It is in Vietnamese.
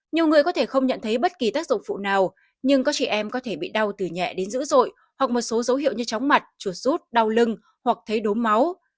nhiều người có thể không nhận thấy bất kỳ tác dụng phụ nào nhưng có chị em có thể bị đau từ nhẹ đến dữ dội hoặc một số dấu hiệu như chóng mặt chuột rút đau lưng hoặc thấy đốm máu